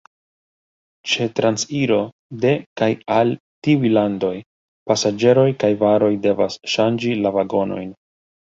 Ĉe transiro de kaj al tiuj landoj pasaĝeroj kaj varoj devas ŝanĝi la vagonojn.